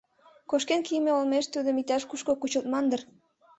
Кошкен кийыме олмеш тудым иктаж-кушко кучылтман дыр.